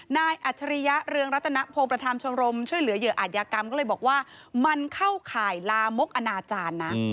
อัจฉริยะเรืองรัตนพงศ์ประธานชมรมช่วยเหลือเหยื่ออาจยากรรมก็เลยบอกว่ามันเข้าข่ายลามกอนาจารย์นะ